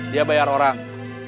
dia bayar orang